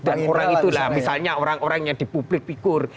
dan orang itu lah misalnya orang orang yang di publik pikur